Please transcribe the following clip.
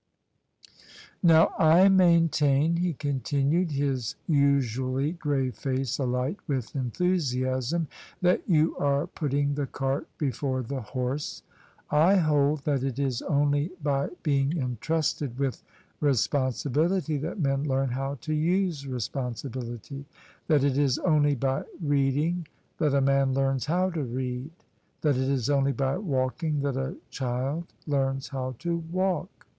" Now I maintain," he continued, his usually grave face alight with enthusiasm, " that you are putting the cart before the horse. I hold that it is only by being entrusted with responsibility that men learn how to use responsibility: that it is only by reading that a man learns how to read: that it is only by walking that a child learns how to walk.